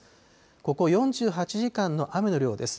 ここ４８時間の雨の量です。